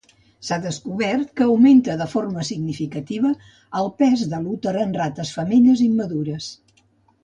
S'ha descobert que augmenta de forma significativa el pes de l'úter en rates femelles immadures.